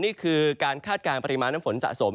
นี่คือการคาดการณ์ปริมาณน้ำฝนสะสม